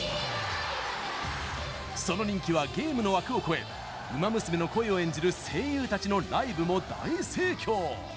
その人気はゲームの枠を超えウマ娘の声を演じる声優たちのライブも大盛況！